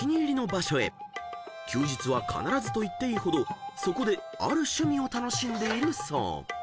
［休日は必ずと言っていいほどそこである趣味を楽しんでいるそう］